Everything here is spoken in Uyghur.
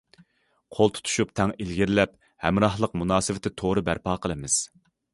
ئۈچىنچى، قول تۇتۇشۇپ تەڭ ئىلگىرىلەپ، ھەمراھلىق مۇناسىۋىتى تورى بەرپا قىلىمىز.